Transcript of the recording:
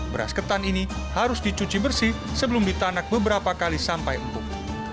beras ketan ini harus dicuci bersih sebelum ditanak beberapa kali sampai empuk